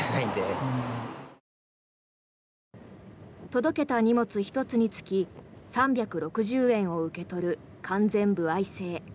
届けた荷物１つにつき３６０円を受け取る完全歩合制。